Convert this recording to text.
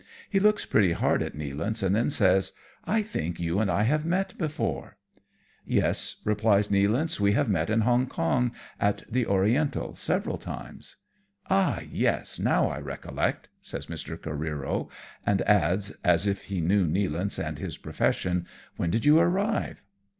He looks pretty hard at Nealance and then says, " I think you and I have met before ?"" Tes," replies Nealance, " we have met in Hong Kong at the Oriental several times." " Ah, yes ! now I recollect," says Mr. Careero, and adds, as if he knew Nealance and his profession, " when did you arrive